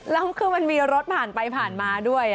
แล้วคือมันมีรถผ่านไปผ่านมาด้วย